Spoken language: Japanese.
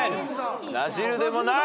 「なじる」でもない！